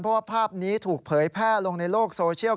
เพราะว่าภาพนี้ถูกเผยแพร่ลงในโลกโซเชียล